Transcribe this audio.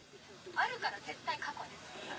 あるから絶対過去に。